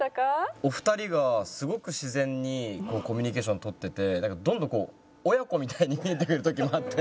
お二人がすごく自然にコミュニケーションを取っててどんどん親子みたいに見えてくる時もあって。